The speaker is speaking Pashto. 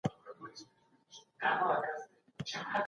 ځوانان تاریخ په کومه بڼه اوري او زده کوي؟